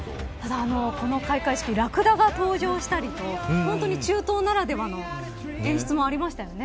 この開会式ラクダが登場したりと本当に中東ならではの演出もありましたね。